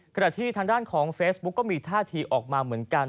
ขณะที่ทางด้านของเฟซบุ๊กก็มีท่าทีออกมาเหมือนกัน